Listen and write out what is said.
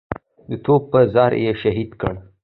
د توپ پر ډز یې شهید کړ.